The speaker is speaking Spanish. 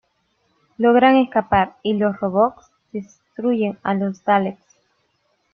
Logran escapar y los robots destruyen a los Daleks.